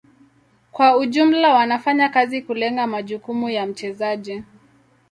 Kwa ujumla wanafanya kazi kulenga majukumu ya mchezaji.